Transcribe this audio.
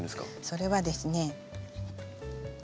それはですね。